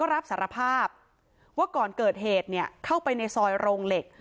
รับสารภาพว่าก่อนเกิดเหตุเข้าไปในซอยโรงเหล็ก